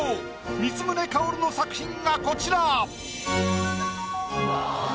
光宗薫の作品がこちら。